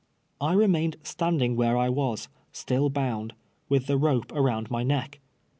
I remained standing where I was, still bound, with the rope around my neck.